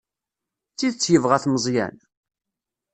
D tidet yebɣa-t Meẓyan?